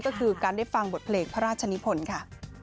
ก็คือการได้ฟังบทเพลงพระราชนิพลค่ะ